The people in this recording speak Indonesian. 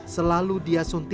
selalu dia suntik